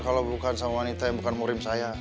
kalau bukan sama wanita yang bukan murim saya